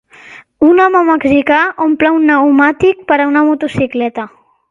un home mexicà omple un pneumàtic per a una motocicleta